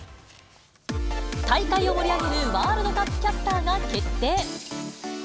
大会を盛り上げるワールドカップキャスターが決定。